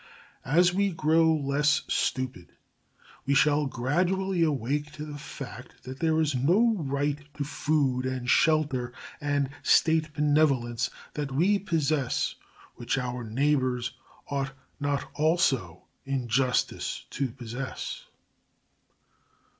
As we grow less stupid, we shall gradually awake to the fact that there is no right to food and shelter and State benevolence that we possess which our neighbours ought not also in justice to possess.